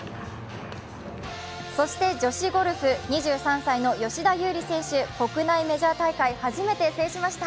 そして女子ゴルフ２３歳の吉田優利選手、国内メジャー大会、初めて制しました。